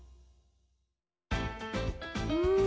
うん。